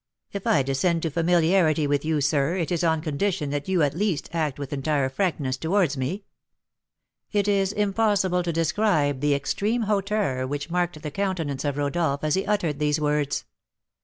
"If I descend to familiarity with you, sir, it is on condition that you, at least, act with entire frankness towards me." It is impossible to describe the extreme hauteur which marked the countenance of Rodolph as he uttered these words.